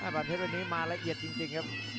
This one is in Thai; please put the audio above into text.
บรรเทศวันนี้มาละเอียดจริงครับ